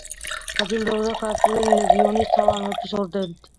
დაჯილდოვდა ქართული ლეგიონის თამარ მეფის ორდენით.